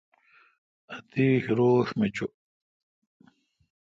اتش روݭ می چو۔